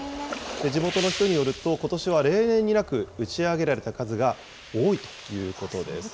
地元の人によると、ことしは例年になく打ち上げられた数が多いということです。